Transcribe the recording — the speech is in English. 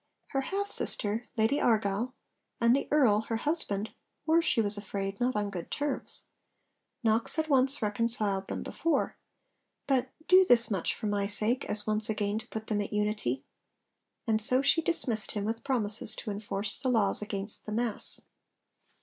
Her half sister, Lady Argyll, and the Earl, her husband, were, she was afraid, not on good terms. Knox had once reconciled them before, but, 'do this much for my sake, as once again to put them at unity.' And so she dismissed him with promises to enforce the laws against the mass.